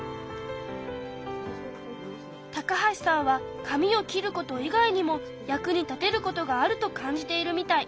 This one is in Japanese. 橋さんはかみを切ること以外にも役に立てることがあると感じているみたい。